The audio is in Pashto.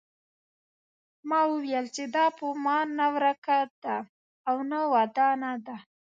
ما وویل چې دا په ما نه ورکه ده او نه ودانه ده.